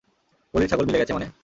বলির ছাগল মিলে গেছে মানে।